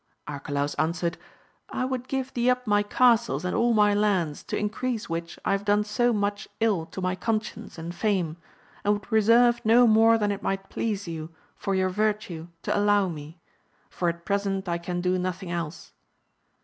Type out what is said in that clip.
Arcalaus answered, I would give thee up my castles and all my lands, to increase which I have done so much ill to my conscience and fame, and would reserve no more than it might please you, for your virtue, to allow me ; for at present I can do nothing else.